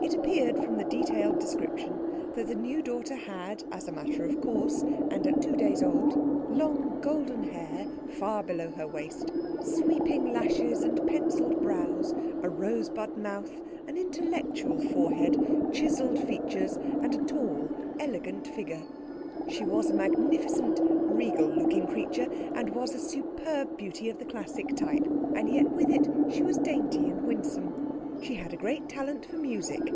It appeared from the detailed description that the new daughter had, as a matter of course (and at two days old), long golden hair, far below her waist, sweeping lashes and pencilled brows, a rosebud mouth, an intellectual forehead, chiselled features and a tall, elegant figure. She was a magnificent, regal looking creature and was a superb beauty of the classic type, and yet with it she was dainty and winsome. She had great talent for music.